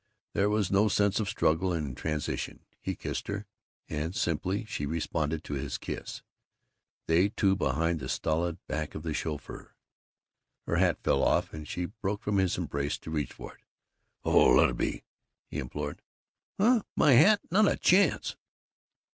There was no sense of struggle and transition; he kissed her and simply she responded to his kiss, they two behind the stolid back of the chauffeur. Her hat fell off, and she broke from his embrace to reach for it. "Oh, let it be!" he implored. "Huh? My hat? Not a chance!"